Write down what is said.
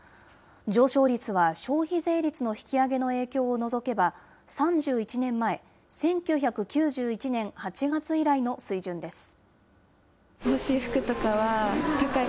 上昇率は消費税率の引き上げの影響を除けば、３１年前、１９９１年８月以来の水準です。